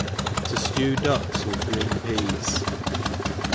T^o Jlew Ducks with Green Peas.